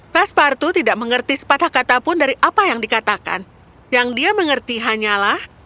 pespartu tidak mengerti sepatah kata pun dari apa yang dikatakan yang dia mengerti hanyalah